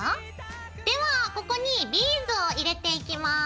ではここにビーズを入れていきます。